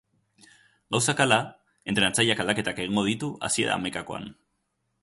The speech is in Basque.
Gauzak hala, entrenatzaileak aldaketak egingo ditu hasiera hamaikakoan.